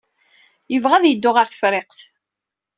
Yebɣa ad yeddu ɣer Tefriqt.